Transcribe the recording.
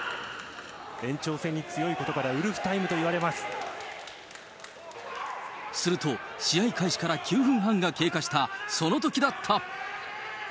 延長戦に強いことから、ウルフタすると、試合開始から９分半が経過したそのときだった。